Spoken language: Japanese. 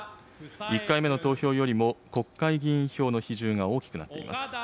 １回目の投票よりも国会議員票の比重が大きくなっています。